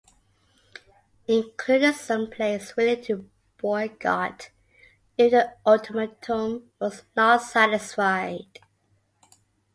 Including some players willing to boycott if their ultimatum was not satisfied.